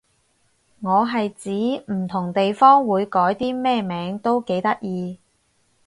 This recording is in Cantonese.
我係指唔同地方會改啲咩名都幾得意